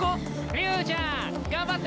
竜ちゃん頑張って！